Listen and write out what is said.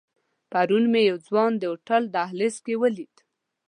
پرون مې یو ځوان د هوټل دهلیز کې ولید.